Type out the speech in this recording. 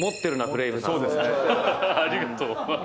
ありがとう。